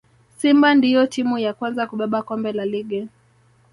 simba ndiyo timu ya kwanza kubeba kombe la ligi